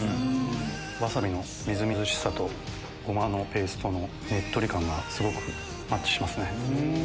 わさびのみずみずしさとごまのペーストのねっとり感がすごくマッチしますね。